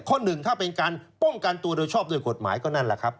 หนึ่งถ้าเป็นการป้องกันตัวโดยชอบด้วยกฎหมายก็นั่นแหละครับ